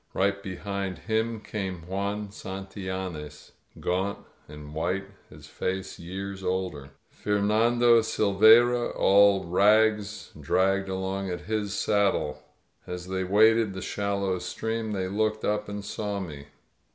Right behind him came Juan Santillanes, gaunt and white, his face years older. Fernando Silveyra, all rags, dragged along at his saddle. As they waded the shallow stream they looked up and saw me.